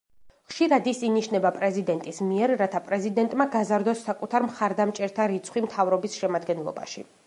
ხშირად ის ინიშნება პრეზიდენტის მიერ, რათა პრეზიდენტმა გაზარდოს საკუთარ მხარდამჭერთა რიცხვი მთავრობის შემადგენლობაში.